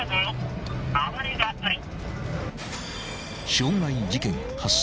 ［傷害事件発生］